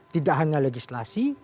tidak hanya legislasi